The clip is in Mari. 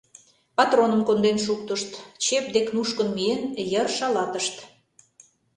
Патроным конден шуктышт, чеп дек нушкын миен, йыр шалатышт.